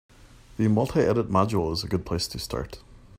The multi-edit module is a good place to start.